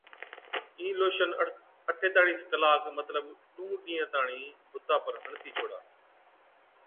اِين لوشن اَٺيتاڙِيس ڪلاڪ مطلب ڏُونه ڏِينهان تاڻِين بُتا پر هڻتِي ڇوڙا